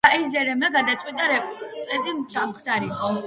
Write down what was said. დრაიზერმა გადაწყვიტა რეპორტიორი გამხდარიყო.